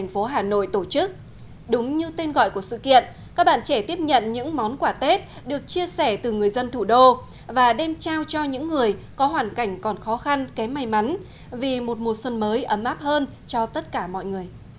vì một mùa xuân mới ấm áp hơn cho tất cả mọi người